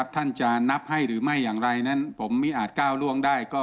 ท่านจะนับให้หรือไม่อย่างไรนั้นผมไม่อาจก้าวล่วงได้